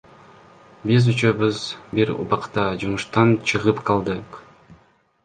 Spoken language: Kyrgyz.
Биз үчөөбүз бир убакта жумуштан чыгып калдык.